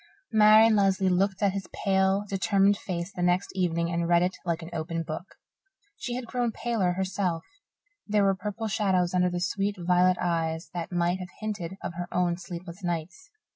Marian Lesley looked at his pale, determined face the next evening and read it like an open book. She had grown paler herself; there were purple shadows under the sweet violet eyes that might have hinted of her own sleepless nights.